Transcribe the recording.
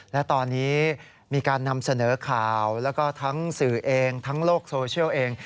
และตอนนี้มีการนำเสนอข่าวแล้วก็ทั้งสื่อเองทั้งโลกโซเชียลเอง